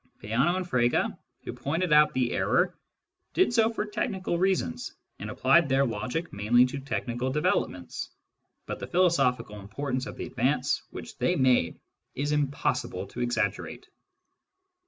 Peano and Frege, who pointed out the error, did so for technical reasons, and applied their logic mainly to technical developments ; but the philosophical importance of the advance which they made is impossible to exaggerate.